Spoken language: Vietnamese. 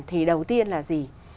thì đầu tiên là gì